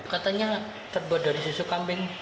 katanya terbuat dari susu kambing